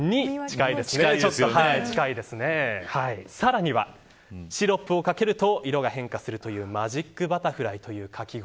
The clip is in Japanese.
さらにはシロップをかけると色が変化するというマジックバタフライというかき氷。